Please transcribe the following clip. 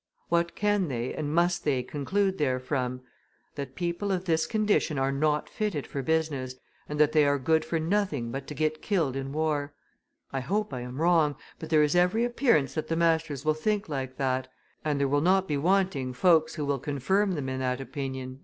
What can they and must they conclude therefrom? That people of this condition are not fitted for business, and that they are good for nothing but to get killed in war. I hope I am wrong, but there is every appearance that the masters will think like that, and there will not be wanting folks who will confirm them in that opinion."